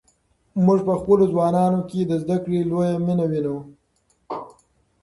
موږ په خپلو ځوانانو کې د زده کړې لویه مینه وینو.